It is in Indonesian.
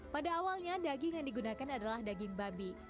pada awalnya daging yang digunakan adalah daging babi